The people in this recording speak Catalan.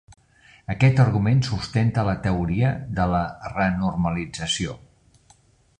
Aquest argument sustenta la teoria de la renormalització.